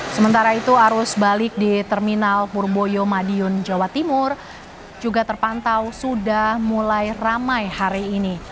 sementara itu arus balik di terminal purboyo madiun jawa timur juga terpantau sudah mulai ramai hari ini